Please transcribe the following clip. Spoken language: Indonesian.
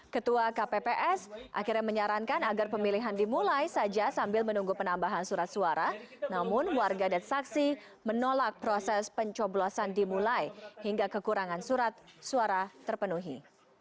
ketua kpps akhirnya menyarankan agar pemilihan dimulai saja sambil menunggu penambahan surat suara namun warga dan saksi menolak proses pencoblosan dimulai hingga kekurangan surat suara terpenuhi